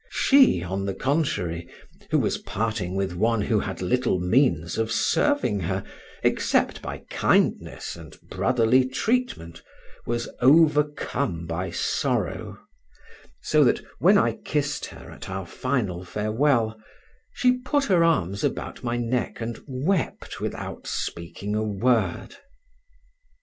She, on the contrary, who was parting with one who had had little means of serving her, except by kindness and brotherly treatment, was overcome by sorrow; so that, when I kissed her at our final farewell, she put her arms about my neck and wept without speaking a word.